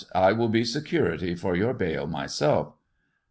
I will be security for your bail myself."